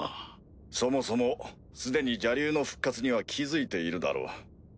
そもそも既に邪竜の復活には気付いているだろう。